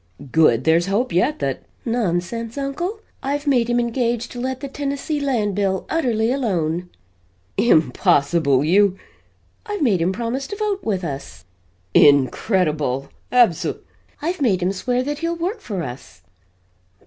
"Good! There's hope yet that " "Nonsense, uncle. I've made him engage to let the Tennessee Land bill utterly alone!" "Impossible! You " "I've made him promise to vote with us!" "INCREDIBLE! Abso " "I've made him swear that he'll work for us!"